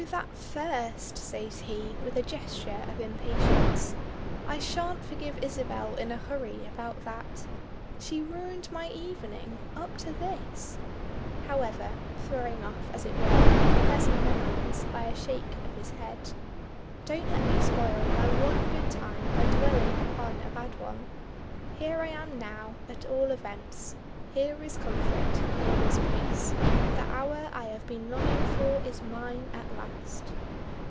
that first!" says he, with a gesture of impatience. "I shan't forgive Isabel in a hurry about that; she ruined my evening up to this. However," throwing off as it were unpleasant memories by a shake of his head, "don't let me spoil my one good time by dwelling upon a bad one. Here I am now, at all events; here is comfort, here is peace. The hour I have been longing for is mine at last."